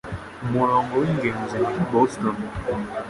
Umurongo wingenzi unyura i Boston